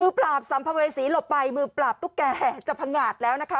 ปราบสัมภเวษีหลบไปมือปราบตุ๊กแก่จะพังงาดแล้วนะคะ